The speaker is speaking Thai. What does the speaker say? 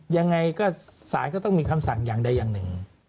ยังไงก็สารก็ต้องมีคำสั่งอย่างใดอย่างหนึ่ง